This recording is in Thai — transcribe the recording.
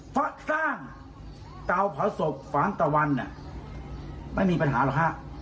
ฟะสร้างเจ้าพระศพฟ้างตะวันน่ะไม่มีปัญหาหรอกฮะ